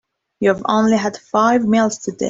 You've only had five meals today.